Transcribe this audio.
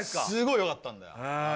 すごい良かったんだよ。